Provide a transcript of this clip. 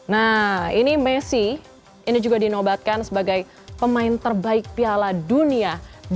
nah ini messi ini juga dinobatkan sebagai pemain terbaik piala dunia dua ribu delapan belas